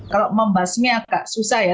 kalau membahasnya agak susah ya